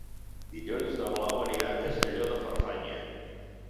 Dilluns na Blau anirà a Castelló de Farfanya.